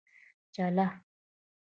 چا له.